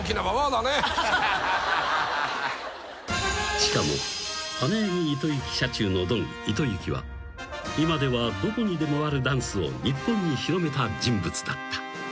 ［しかも花柳糸之社中のドン糸之は今ではどこにでもあるダンスを日本に広めた人物だった］